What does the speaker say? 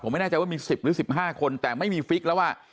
ผมไม่แน่ใจว่ามีสิบหรือสิบห้าคนแต่ไม่มีฟิกแล้วว่า